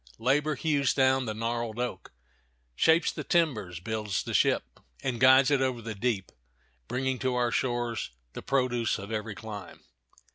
Labor hews down the gnarled oak, shapes the timbers, builds the ship, and guides it over the deep, bringing to our shores the produce of every clime.